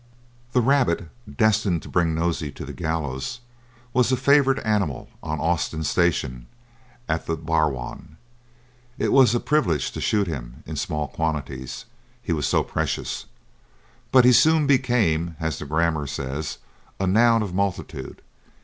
The rabbit, destined to bring Nosey to the gallows, was a favoured animal on Austin's station at the Barwon. It was a privilege to shoot him in small quantities he was so precious. But he soon became, as the grammar says, a noun of multitude.